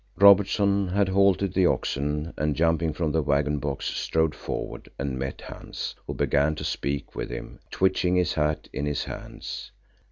Robertson had halted the oxen and jumping from the waggon box strode forward and met Hans, who began to speak with him, twitching his hat in his hands.